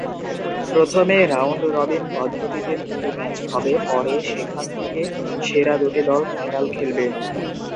প্রথমে round robin পদ্ধতিতে তিনটি ম্যাচ হবে পরে সেখান থেকে সেরা দুটি দল ফাইনাল খেলবে।